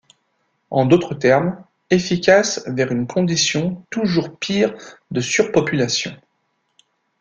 En d'autres termes, efficace vers une condition toujours pire de surpopulation.